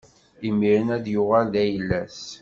Imiren ad yuɣal d ayla-s.